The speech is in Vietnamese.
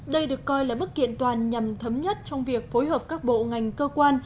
đây được coi là bức kiện toàn nhằm thấm nhất trong việc phối hợp các bộ ngành cơ quan